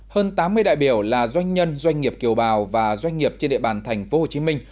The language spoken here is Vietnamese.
hơn tám mươi đại biểu là doanh nhân doanh nghiệp kiều bào và doanh nghiệp trên địa bàn thành phố hồ chí minh